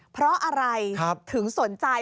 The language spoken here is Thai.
เพราะอะไรถึงสนใจ